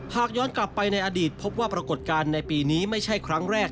หากย้อนกลับไปในอดีตพบว่าปรากฏการณ์ในปีนี้ไม่ใช่ครั้งแรก